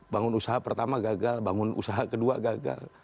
bangun usaha pertama gagal bangun usaha kedua gagal